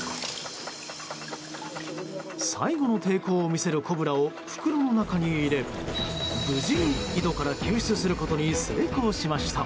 最後の抵抗を見せるコブラを袋の中に入れ無事に井戸から救出することに成功しました。